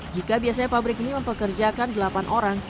jika biasanya pabrik ini mempekerjakan delapan orang